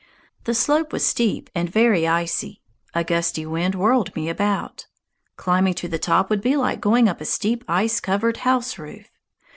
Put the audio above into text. The slope was steep and very icy; a gusty wind whirled me about. Climbing to the top would be like going up a steep ice covered house roof.